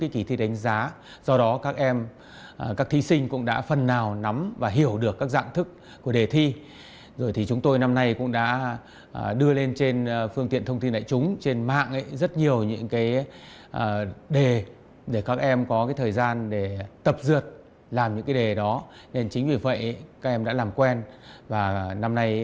kỳ thi đánh giá năng lực nên thí sinh quen với dạng thức để thi chủ động trong việc ôn tập nên điểm thi cải thiện rõ rệt so với năm hai nghìn hai mươi hai